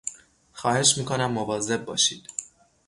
خواهش میکنم مواظب باشید!